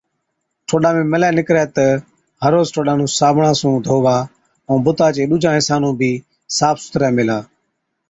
ٺوڏا ۾ ملَي نِڪرَي تہ هر روز ٺوڏا نُون صابڻا سُون ڌووا ائُون بُتا چي ڏُوجان حِصان نُون بِي صاف سُٿرَي ميلها۔